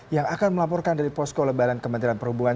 yang akan melaporkan dari posko lebaran kementerian perhubungan